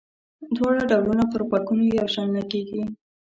دواړه ډولونه پر غوږونو یو شان لګيږي.